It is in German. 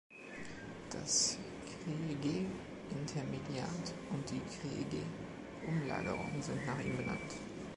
Das Criegee-Intermediat und die Criegee-Umlagerung sind nach ihm benannt.